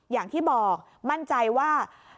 อย่างที่บอกมั่นใจว่า